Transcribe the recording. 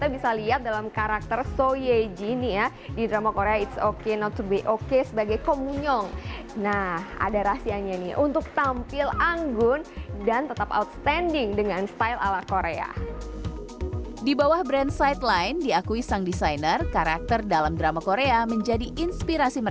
bagaimana situasi ini